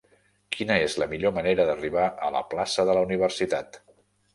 Quina és la millor manera d'arribar a la plaça de la Universitat?